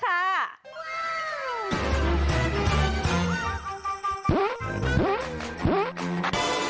กรี๊ดครอบครัง